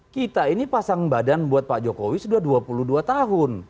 kita ini pasang badan buat pak jokowi sudah dua puluh dua tahun